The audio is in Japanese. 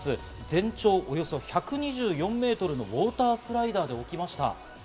全長およそ１２４メートルのウオータースライダーで起きました。